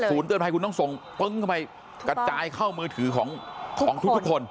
ส่วนเตือนภัยคุณต้องส่งกระจายเข้ามือถือของทุกคน